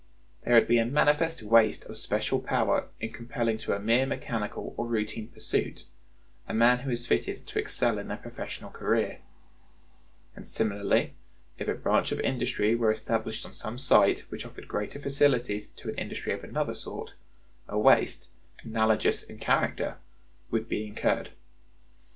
There would be a manifest waste of special power in compelling to a mere mechanical or routine pursuit a man who is fitted to excel in a professional career; and similarly, if a branch of industry were established on some site which offered greater facilities to an industry of another sort, a waste, analogous in character, would be incurred.